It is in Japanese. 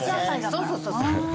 そうそうそうそう。